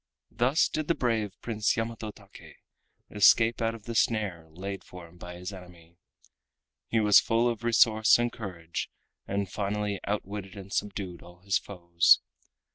Thus did the brave Prince Yamato Take escape out of the snare laid for him by his enemy. He was full of resource and courage, and finally outwitted and subdued all his foes.